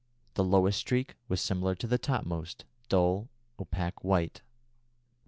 The lowest streak was similar to the topmost, dull opaque white.